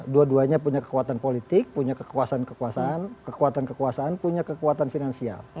dua duanya punya kekuatan politik punya kekuasaan kekuasaan kekuatan kekuasaan punya kekuatan finansial